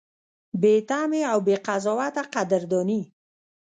بې تمې او بې قضاوته قدرداني: